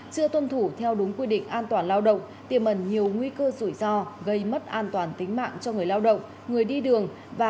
chưa tuân thủ theo đúng quy định an toàn lao động tiềm ẩn nhiều nguy cơ rủi ro gây mất an toàn tính mạng cho người lao động người đi đường